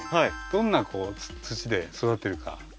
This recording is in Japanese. どんな土で育ってるか？